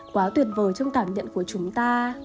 quá tuyệt vời trong cảm nhận của chúng ta